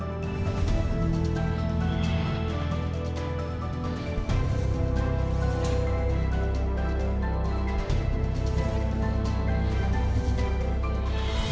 men downgrade keberadaan pdi perjuangan